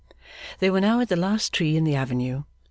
They were now at the last tree in the avenue.